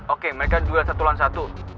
oke mereka duel satu lawan satu